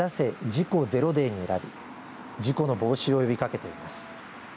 事故０デーに選び事故の防止を呼びかけています。